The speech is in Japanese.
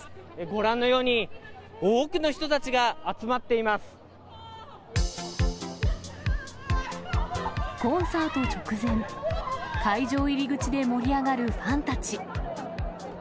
ご覧のように、多くの人たちが集コンサート直前、会場入り口で盛り上がるファンたち。